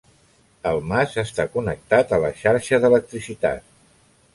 El mas està connectat a la xarxa d'electricitat.